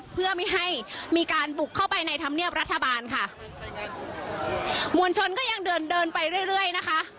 เพื่อไม่ให้มีการบุกเข้าไปในธรรมเนียบรัฐบาลค่ะมวลชนก็ยังเดินเดินไปเรื่อยเรื่อยนะคะ